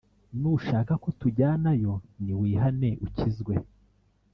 Nushaka ko tujyanayo niwihane ukizwe